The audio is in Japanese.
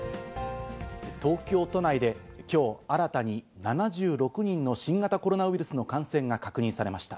東京都内できょう、新たに７６人の新型コロナウイルスの感染が確認されました。